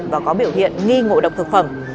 và có biểu hiện nghi ngộ độc thực phẩm